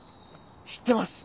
知ってます！